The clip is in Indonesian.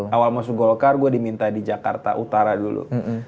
jadi awal masuk golkar gue diminta di jakarta utara dulu